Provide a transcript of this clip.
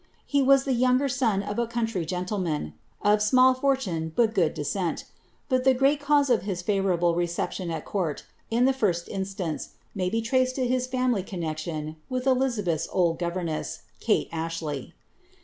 He was the younger son of « country ge of small fortune, but good descent ; but tlie great caune of hii ft reception al court, in the litBl iRilance, may be traced to his fani ueclion with Elizabeth's old govemesa, Kate Ashley.